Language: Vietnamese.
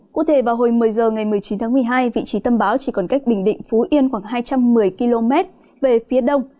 cụ thể vào hồi một mươi h ngày một mươi chín tháng một mươi hai vị trí tâm báo chỉ còn cách bình định phú yên khoảng hai trăm một mươi km về phía đông